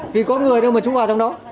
vì có người đâu mà chú vào trong đó